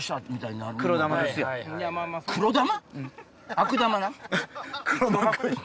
悪玉な。